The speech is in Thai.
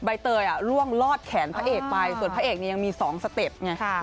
ใบเตยล่วงลอดแขนพระเอกไปส่วนพระเอกเนี่ยยังมี๒สเต็ปไง